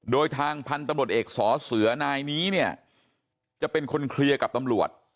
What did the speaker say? โดยทางพันธุ์ตำรวจเอกสอเสือนายนี้เนี่ยจะเป็นคนเคลียร์กับตำรวจ